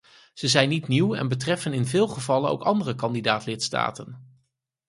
Ze zijn niet nieuw en betreffen in veel gevallen ook andere kandidaat-lidstaten.